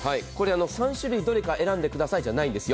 ３種類どれか選んでくださいじゃないんですよ。